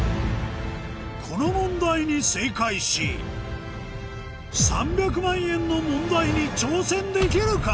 この問題に正解し３００万円の問題に挑戦できるか？